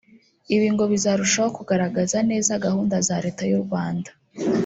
ibi ngo bizarushaho kugaragaza neza gahunda za Leta y’u Rwanda